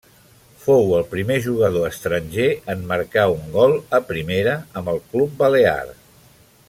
Fou el primer jugador estranger en marcar un gol a Primera amb el club balear.